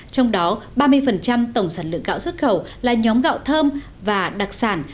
trong đó ba mươi tổng sản lượng gạo xuất khẩu là nhóm gạo thơm và đặc sản